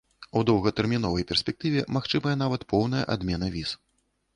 У доўгатэрміновай перспектыве магчымая нават поўная адмена віз.